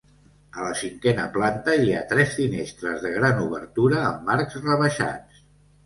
A la cinquena planta hi ha tres finestres de gran obertura amb arcs rebaixats.